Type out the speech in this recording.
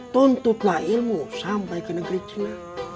tuntutlah ilmu sampai ke negeri cina